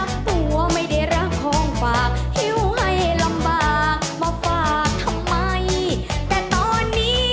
ลุยไปเลย